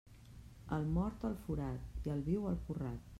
El mort al forat i el viu al porrat.